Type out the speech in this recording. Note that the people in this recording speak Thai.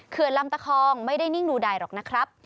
ลำตะคองไม่ได้นิ่งดูใดหรอกนะครับ